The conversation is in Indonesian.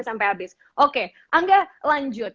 sampe abis oke aga lanjut